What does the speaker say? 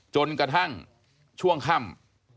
จนกระทั่งช่วงค่ำ